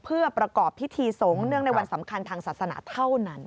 เพื่อประกอบพิธีสงฆ์เนื่องในวันสำคัญทางศาสนาเท่านั้น